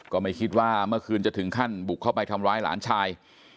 ก็ไม่คิดว่าเมื่อคืนจะถึงขั้นบุกเข้าไปทำร้ายหลานชาย